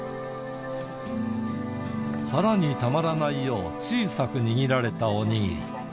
腹にたまらないよう、小さく握られたお握り。